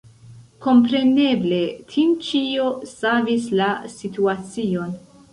Kompreneble, Tinĉjo savis la situacion.